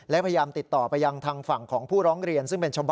และพยายามติดต่อไปยังทางฝั่งของผู้ร้องเรียน